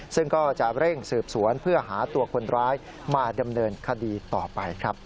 ซึ่งก็จะเร่งสืบสวนเพื่อหาตัวคนร้ายมาดำเนินคดีต่อไปครับ